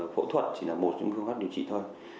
phẫu thuật chỉ là một trong phương pháp điều trị thôi